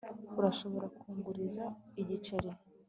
urashobora kunguriza igiceri